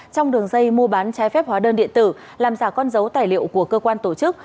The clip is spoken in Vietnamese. trong đường dây mua bán trái phép hóa đơn điện tử làm giả con dấu tài liệu của cơ quan tổ chức